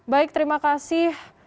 baik terima kasih